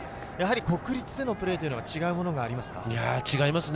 国立でのプレーは違うものがありますか？